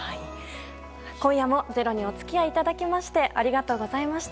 今夜も「ｚｅｒｏ」にお付き合いいただきましてありがとうございました。